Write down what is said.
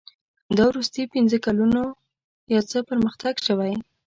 دا وروستي پنځه کلونه یو څه پرمختګ شوی.